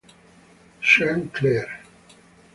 Sean Clare